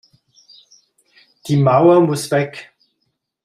Die Mauer muss weg!